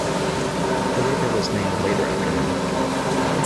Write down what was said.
The river was named later after him.